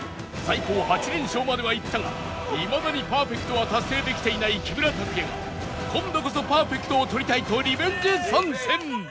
最高８連勝まではいったがいまだにパーフェクトは達成できていない木村拓哉が今度こそパーフェクトを取りたいとリベンジ参戦！